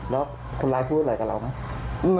แล้วคนร้ายพูดอะไรกับเราไหม